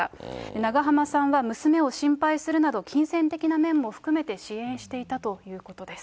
長濱さんは娘を心配するなど、金銭的な面も含めて支援していたということです。